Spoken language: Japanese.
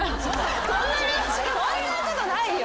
そんなことないよ。